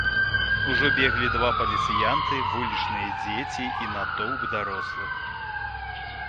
Ужо беглі два паліцыянты, вулічныя дзеці і натоўп дарослых.